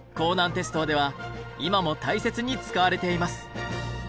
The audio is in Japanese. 鉄道では今も大切に使われています。